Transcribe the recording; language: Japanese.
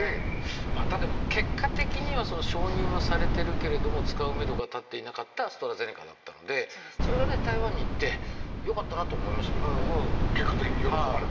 結果的には承認はされているけれども使うめどが立っていなかったのがアストラゼネカだったので、それが台湾にいってよかったなと思いましたけどね。